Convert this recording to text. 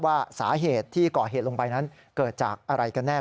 ว่าสาเหตุที่ก่อเหตุลงไปนั้นเกิดจากอะไรกันแน่